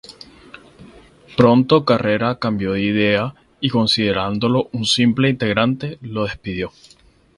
Pronto Carrera cambió de idea y, considerándolo un simple intrigante, lo despidió.